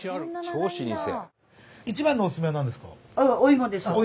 超老舗。